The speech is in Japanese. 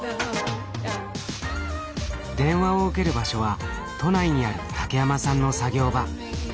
電話を受ける場所は都内にある竹山さんの作業場。